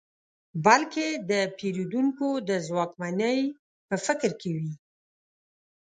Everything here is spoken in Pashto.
بلکې د پېرودونکو د ځواکمنۍ په فکر کې وي.